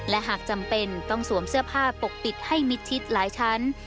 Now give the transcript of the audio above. และหากจำเป็นต้องสวมเสื้อผ้าปกปิดให้มิดชิดหลายชั้น